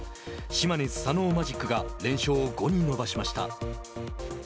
島根スサノオマジックが連勝を５に伸ばしました。